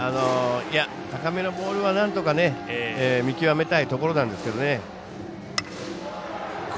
高めのボールは、なんとか見極めたいところなんですけどね。